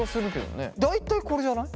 大体これじゃない？